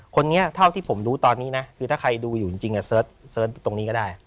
คนนี้เท่าที่ผมรู้ตอนนี้นะคือถ้าใครดูอยู่จริงเสิร์ชตรงนี้ก็ได้